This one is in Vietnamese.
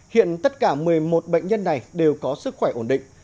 hiện tất cả một mươi một bệnh nhân này đều có sức khỏe ổn định